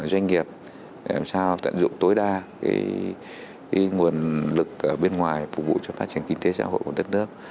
để làm sao tận dụng tối đa cái nguồn lực ở bên ngoài phục vụ cho phát triển kinh tế xã hội của đất nước